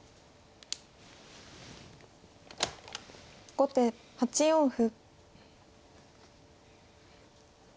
後手８四歩。